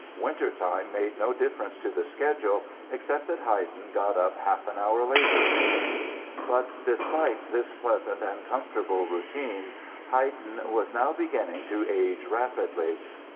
Wintertime made no difference to the schedule, except that Haydn got up half an hour later." But despite this pleasant and comfortable routine Haydn was now beginning to age rapidly.